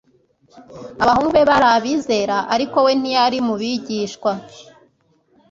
Abahungu be bari abizera ariko we ntiyari mu bigishwa.